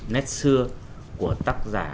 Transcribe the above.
nét xưa của tác giả